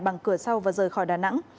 bằng cửa sau và rời khỏi đà nẵng